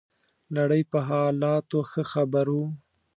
نړۍ په حالاتو ښه خبر وو.